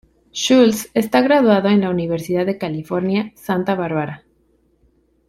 Schulz está graduado en la Universidad de California, Santa Barbara.